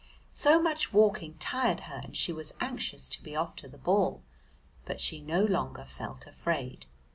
So much walking tired her and she was anxious to be off to the ball, but she no longer felt afraid.